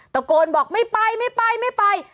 ตะโกนบอกไม่ไปไม่ไปไม่ไป